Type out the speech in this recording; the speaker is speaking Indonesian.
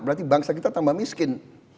berarti bangsa kita tambah miskin